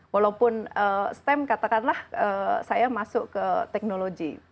walaupun stem katakanlah saya masuk ke teknologi